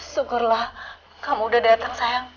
syukurlah kamu udah datang sayang